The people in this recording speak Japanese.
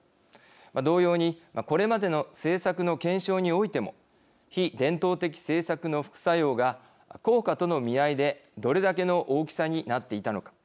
同様に、これまでの政策の検証においても非伝統的政策の副作用が効果に照らして、どれだけの大きさになっていたのか。